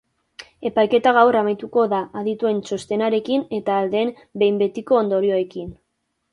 Epaiketa gaur amaituko da adituen txostenarekin eta aldeen behin betiko ondorioekin.